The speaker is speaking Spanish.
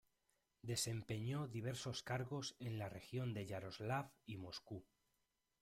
Desempeñó diversos cargos en la región de Yaroslavl y Moscú.